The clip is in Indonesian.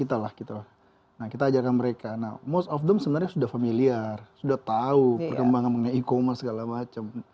nah kita ajarkan mereka nah most of them sebenarnya sudah familiar sudah tahu perkembangan mengenai e commerce segala macam